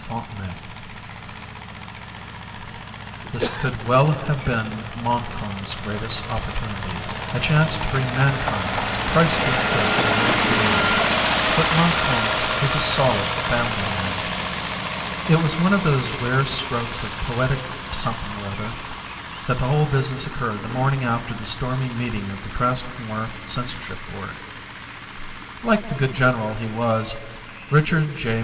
FONTENAY _This could well have been Montcalm's greatest opportunity; a chance to bring mankind priceless gifts from worlds beyond. But Montcalm was a solid family man and what about that nude statue in the park?_ It was one of those rare strokes of poetic something or other that the whole business occurred the morning after the stormy meeting of the Traskmore censorship board. Like the good general he was, Richard J.